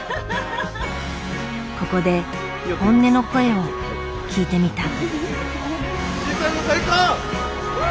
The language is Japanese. ここで本音の声を聞いてみた。